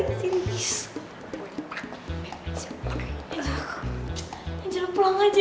anjel pulang aja